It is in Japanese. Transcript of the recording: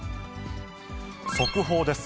速報です。